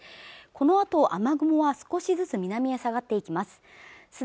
このあと雨雲は少しずつ南へ下がっていきます